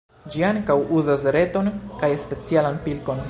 Ĝi ankaŭ uzas reton kaj specialan pilkon.